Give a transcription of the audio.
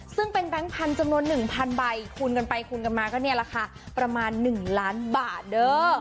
ซึ่งเป็นแปลงพันจำนวนหนึ่งพันใบคูณกันไปคูณกันมาก็เนี่ยราคาประมาณหนึ่งล้านบาทเด้อ